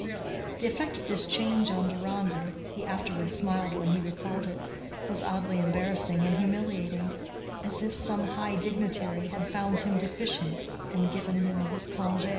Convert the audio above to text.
The effect of this change on Deronda—he afterward smiled when he recalled it—was oddly embarrassing and humiliating, as if some high dignitary had found him deficient and given him his congé.